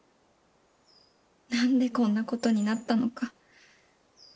なんでこんな事になったのか。